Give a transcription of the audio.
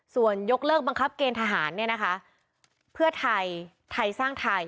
ส่วนยกเลิกบังคับเกณฑหารเนี่ยนะคะเพื่อไทยไทยสร้างไทย